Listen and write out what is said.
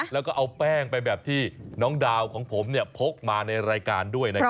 แล้วก็เอาแป้งไปแบบที่น้องดาวของผมพกมาในรายการด้วยนะครับ